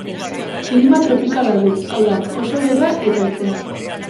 Klima tropikala du, hau da, oso beroa eta hezea.